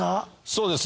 そうです。